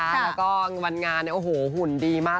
แล้วก็วันงานเนี่ยโอ้โหหุ่นดีมาก